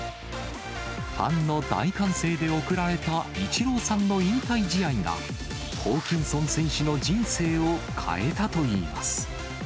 ファンの大歓声で送られたイチローさんの引退試合が、ホーキンソン選手の人生を変えたといいます。